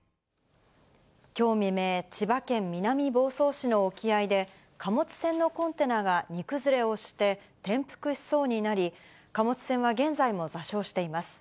きょう未明、千葉県南房総市の沖合で、貨物船のコンテナが荷崩れをして、転覆しそうになり、貨物船は現在も座礁しています。